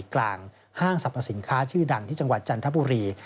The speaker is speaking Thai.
กลางห้างสรรพสินค้าชื่อดังที่จังหวัดจันทบุรี